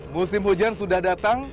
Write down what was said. musim hujan sudah datang